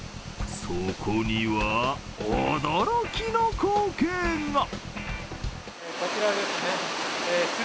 そこには、驚きの光景が。